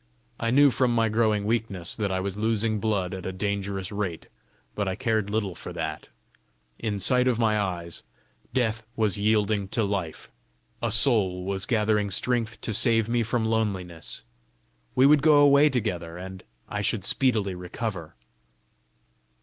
I knew from my growing weakness that I was losing blood at a dangerous rate, but I cared little for that: in sight of my eyes death was yielding to life; a soul was gathering strength to save me from loneliness; we would go away together, and I should speedily recover!